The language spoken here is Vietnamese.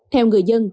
theo người dân